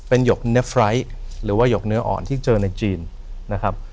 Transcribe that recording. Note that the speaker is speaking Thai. เป็นหยกเน็ตไฟล์หรือว่าหยกเนื้ออ่อนที่เจอในจีนนะครับ